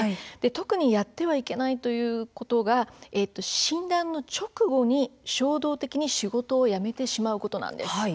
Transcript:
特に、やってはいけないのが診断の直後に衝動的に仕事を辞めてしまうことです。